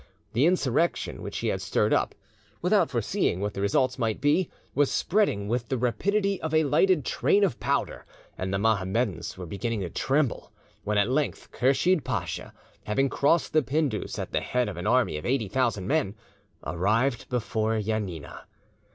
The insurrection which he had stirred up, without foreseeing what the results might be, was spreading with the rapidity of a lighted train of powder, and the Mohammedans were beginning to tremble, when at length Kursheed Pasha, having crossed the Pindus at the head of an army of eighty thousand men, arrived before Janina.